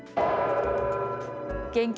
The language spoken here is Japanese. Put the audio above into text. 現金